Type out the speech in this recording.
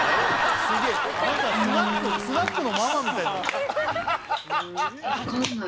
スナックのママみたいな。